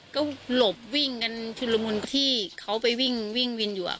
ก็หลบวิ่งกันชุดละมุนที่เขาไปวิ่งวิ่งวินอยู่